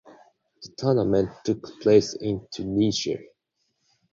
The tournament took place in Tunisia.